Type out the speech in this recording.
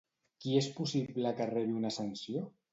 Qui és possible que rebi una sanció?